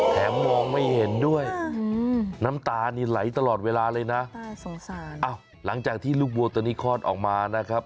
มองไม่เห็นด้วยน้ำตานี่ไหลตลอดเวลาเลยนะสงสารอ้าวหลังจากที่ลูกวัวตัวนี้คลอดออกมานะครับ